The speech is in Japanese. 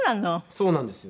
そうなんですよ。